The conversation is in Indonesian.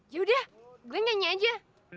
yaudah gue nyanyi aja